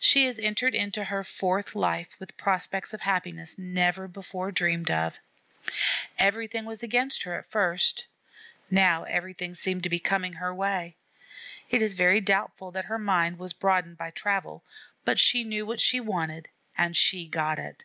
She has entered into her fourth life with prospects of happiness never before dreamed of. Everything was against her at first; now everything seems to be coming her way. It is very doubtful that her mind was broadened by travel, but she knew what she wanted and she got it.